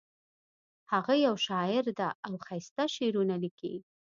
هغه یو شاعر ده او ښایسته شعرونه لیکي